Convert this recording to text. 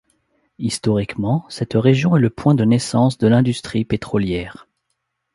Historiquement, cette région est le point de naissance de l'industrie pétrolière.